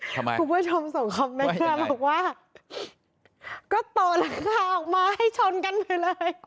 ทำไมคุณผู้ชมส่งคอมเมนต์นะว่าก็ต่อหลังคาออกมาให้ชนกันไปเลย